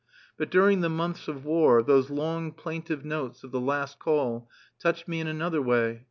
But during the months of war, those long, plaintive notes of the last call touched me in another way.